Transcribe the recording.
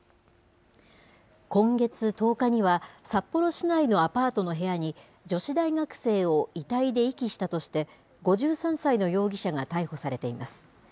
今月１０日には、札幌市内のアパートの部屋に、女子大学生を遺体で遺棄したとして、５３歳の容疑者が逮捕されています。